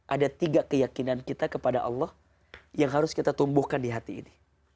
ada tiga keyakinan kita kepada allah yang harus kita tumbuhkan di hati ini